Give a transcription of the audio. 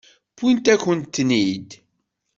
Wwint-akent-ten-id.